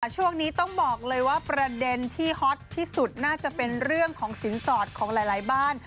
ช่วงนี้ต้องบอกเลยว่าประเด็นที่ฮอตที่สุดน่าจะเป็นเรื่องของสินสอดของหลายบ้าน